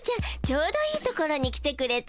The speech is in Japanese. ちょうどいいところに来てくれたわ。